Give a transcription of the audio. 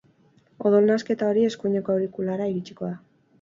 Odol nahasketa hori eskuineko aurikulara iritsiko da.